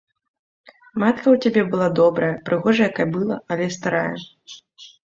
Матка ў цябе была добрая, прыгожая кабыла, але старая.